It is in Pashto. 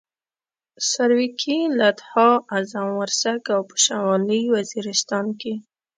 سرویکي، لدها، اعظم ورسک او په شمالي وزیرستان کې.